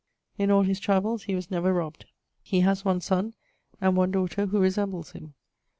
In all his travells he was never robbed. He has one son, and one daughter who resembles him.